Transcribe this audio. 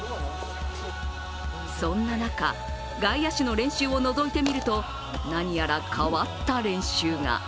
そんな中外野手の練習をのぞいてみると何やら変わった練習が。